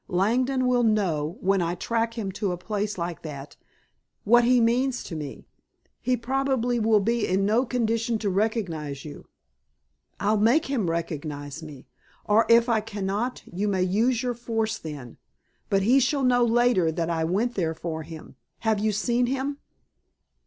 Langdon will know, when I track him to a place like that, what he means to me." "He probably will be in no condition to recognize you." "I'll make him recognize me. Or if I cannot you may use your force then, but he shall know later that I went there for him. Have you seen him?"